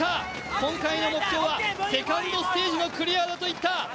今回の目標はセカンドステージのクリアだと言った。